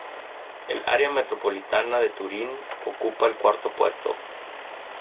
El área metropolitana de Turín ocupa el cuarto puesto.